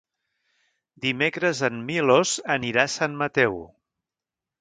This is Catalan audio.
Dimecres en Milos anirà a Sant Mateu.